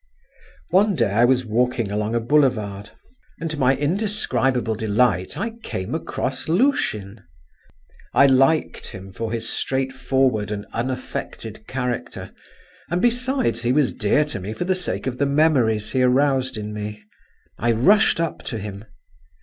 One day I was walking along a boulevard, and to my indescribable delight, I came across Lushin. I liked him for his straightforward and unaffected character, and besides he was dear to me for the sake of the memories he aroused in me. I rushed up to him.